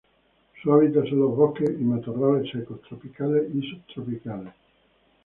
Su hábitat son los bosques y matorrales secos tropicales y subtropicales.